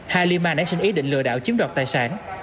halima đã xin ý định lừa đảo chiếm đoạt tài sản